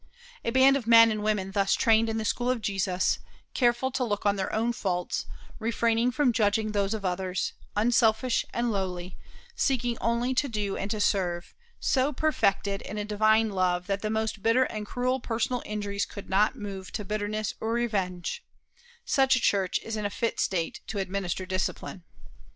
A band of men and women thus trained in the school of Jesus, careful to look on their own faults, refraining from judging those of others, unselfish and lowly, seeking only to do and to serve, so perfected in a divine love that the most bitter and cruel personal injuries could not move to bitterness or revenge such a church is in a fit state to administer discipline.